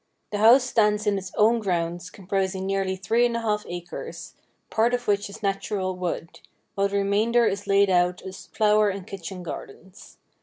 The house stands in its own grounds, comprising nearly three and a half acres, part of which is natural wood, while the remainder is laid out as flower and kitchen gardens.